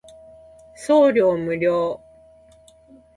送料無料